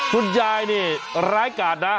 คุณยายนี่ร้ายกาดนะ